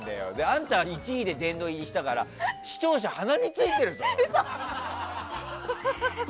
あんた１位で殿堂入りしたから視聴者、鼻についてるぞ！